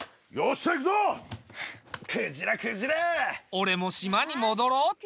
俺も島に戻ろうっと。